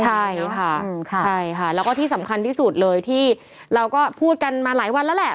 ใช่ค่ะใช่ค่ะแล้วก็ที่สำคัญที่สุดเลยที่เราก็พูดกันมาหลายวันแล้วแหละ